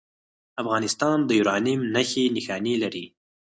افغانستان د یورانیم نښې نښانې لري